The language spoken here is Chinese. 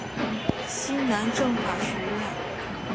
西南政法学院。